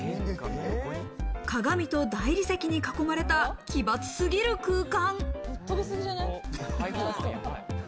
鏡と大理石に囲まれた、奇抜すぎる空間。